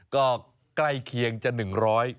ก็ใกล้เคียงจะหนึ่งร้อย